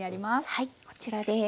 はいこちらです。